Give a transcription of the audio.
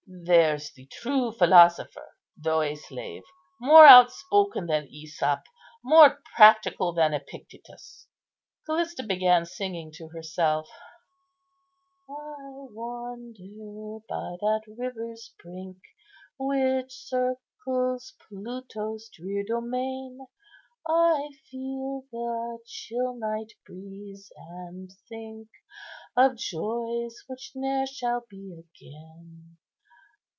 There's the true philosopher, though a slave; more outspoken than Æsop, more practical than Epictetus." Callista began singing to herself:— "I wander by that river's brink Which circles Pluto's drear domain; I feel the chill night breeze, and think Of joys which ne'er shall be again.